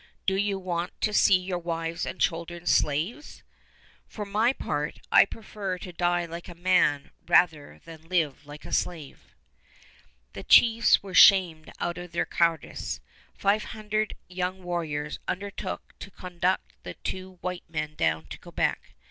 Do you want to see your wives and children slaves? For my part, I prefer to die like a man rather than live a slave." The chiefs were shamed out of their cowardice. Five hundred young warriors undertook to conduct the two white men down to Quebec.